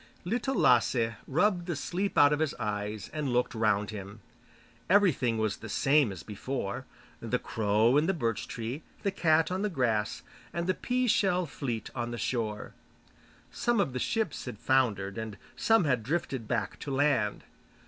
Little Lasse rubbed the sleep out of his eyes and looked around him. Everything was the same as before; the crow in the birch tree, the cat on the grass, and the pea shell fleet on the shore. Some of the ships had foundered, and some had drifted back to land.